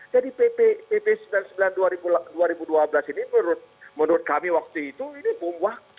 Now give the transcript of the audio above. jadi pp sembilan puluh sembilan dua ribu dua belas ini menurut kami waktu itu ini bom waktu yang meninggalkan banyak masalah